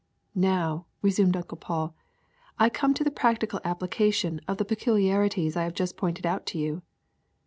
^^Now," resumed Uncle Paul, ^'I come to the prac tical application of the peculiarities I have just pointed out to you.